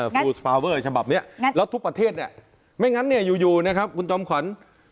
คุณจะต้องมีหนังสือฉบับนี้